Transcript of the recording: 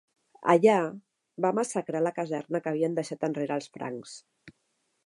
Allà, va massacrar la caserna que havien deixat enrere els francs.